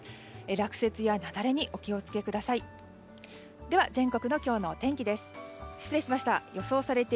落雪や雪崩にお気を付けください。